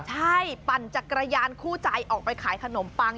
ใช่ปั่นจักรยานคู่ใจออกไปขายขนมปัง